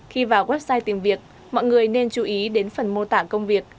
khi vào website tìm việc mọi người nên chú ý đến phần mô tả công việc